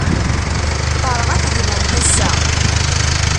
Terɣa tegnawt ass-a.